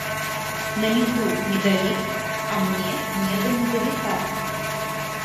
На меду медовик, а мне не до медовика.